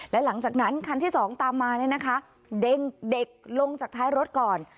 และหลังจากนั้นคันที่สองตามมาเนี่ยนะคะเด็กลงจากท้ายรถก่อน